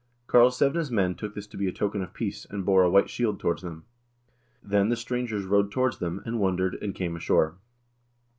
Karlsevne's men took this to be a token of peace, and bore a white shield towards them. Then the strangers rowed towards them, and wondered, and came ashore.